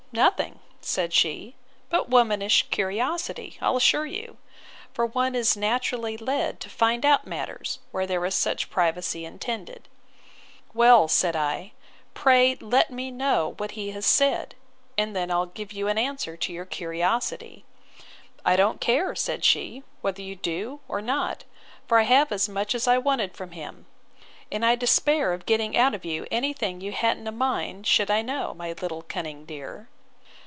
Nothing, said she, but womanish curiosity, I'll assure you; for one is naturally led to find out matters, where there is such privacy intended. Well, said I, pray let me know what he has said; and then I'll give you an answer to your curiosity. I don't care, said she, whether you do or not for I have as much as I wanted from him; and I despair of getting out of you any thing you ha'n't a mind I should know, my little cunning dear.